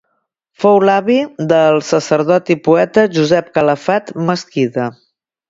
Fou l'avi del sacerdot i poeta Josep Calafat Mesquida.